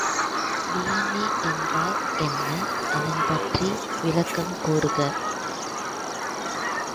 பதுமையின் நம்பிக்கை சரியாகவே இருந்தது.